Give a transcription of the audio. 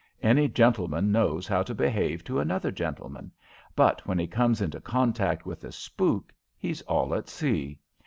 Any gentleman knows how to behave to another gentleman, but when he comes into contact with a spook he's all at sea.